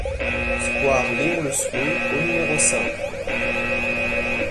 Square Léon Lecieux au numéro cinq